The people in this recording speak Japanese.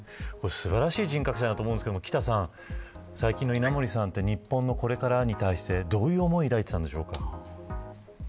素晴らしい人格だと思いますが最近の稲盛さんは日本のこれからに対してどういう思いを抱いていたのでしょうか。